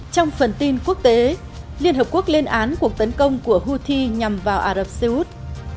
trong phần tin quốc tế liên hợp quốc lên án cuộc tấn công của houthi nhằm vào ả rập xê út